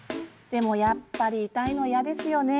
でもやっぱり痛いのは嫌ですよね。